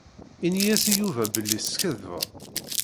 Ini-yas i Yuba belli teskaddbeḍ.